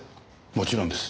もちろんです。